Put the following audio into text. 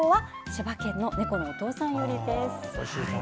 千葉県、ねこのお父さんよりです。